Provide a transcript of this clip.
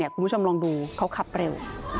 คุณผู้ชมลองดูเขาขับเร็ว